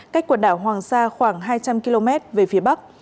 cách quần đảo hoàng sa khoảng hai trăm linh km về phía bắc